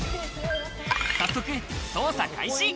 早速、捜査開始！